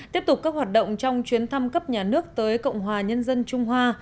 tiếp tục các hoạt động trong chuyến thăm cấp nhà nước tới cộng hòa nhân dân trung hoa